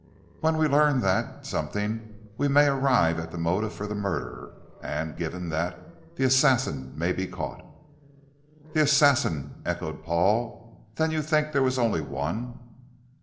When we learn that something we may arrive at the motive for the murder, and, given that, the assassin may be caught." "The assassin!" echoed Paul. "Then you think there was only one."